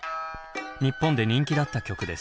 日本で人気だった曲です。